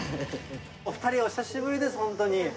お２人、お久しぶりです、本当に。